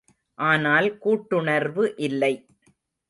ஆனால் கூட்டுணர்வு இல்லை!